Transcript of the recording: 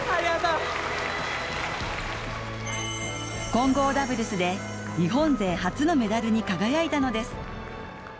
混合ダブルスで日本勢初のメダルに輝いたのです。